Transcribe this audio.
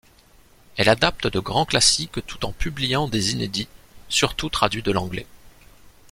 Elle adapte de grands classiques tout en publiant des inédits surtout traduits de l'anglais.